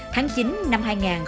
tháng chín năm hai nghìn một mươi